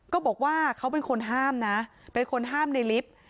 บอกว่าเขาเป็นคนห้ามนะเป็นคนห้ามในลิฟต์